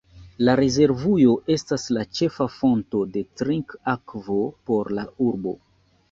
La rezervujo estas la ĉefa fonto de trinkakvo por la urbo.